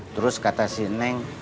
terus kata si neng